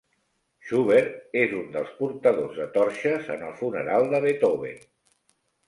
Schubert és un dels portadors de torxes en el funeral de Beethoven.